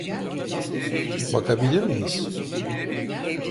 Bakabilir miyiz?